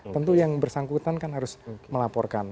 tentu yang bersangkutan kan harus melaporkan